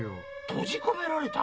閉じ込められた？